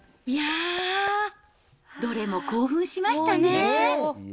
いやー、どれも興奮しましたね。